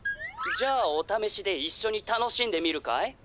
・じゃあおためしでいっしょに楽しんでみるかい？